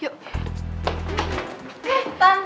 ayo pada kedapur yuk